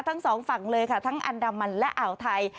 ทั้งสองฝั่งเลยค่ะทั้งอันดามันและอ่าวไทย